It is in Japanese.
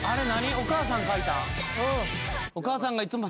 お母さん描いたん？